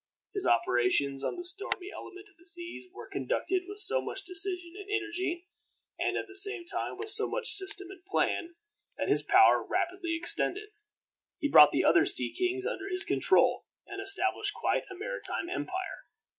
His operations on the stormy element of the seas were conducted with so much decision and energy, and at the same time with so much system and plan, that his power rapidly extended. He brought the other sea kings under his control, and established quite a maritime empire.